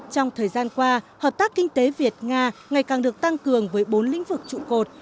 trong thời gian qua hợp tác kinh tế việt nga ngày càng được tăng cường với bốn lĩnh vực trụ cột